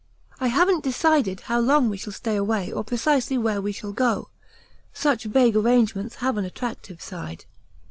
I haven't decided how long we shall stay away or precisely where we shall go; such vague arrangements have an attractive side.